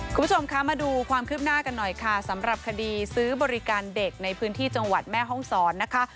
คุณผู้ชมคะมาดูความคืบหน้ากันหน่อยค่ะสำหรับคดีซื้อบริการเด็กในพื้นที่จังหวัดแม่ห้องศรนะคะ